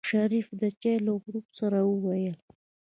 شريف د چای له غړپ سره وويل.